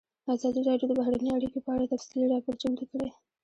ازادي راډیو د بهرنۍ اړیکې په اړه تفصیلي راپور چمتو کړی.